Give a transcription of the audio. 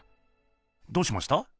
どうしました？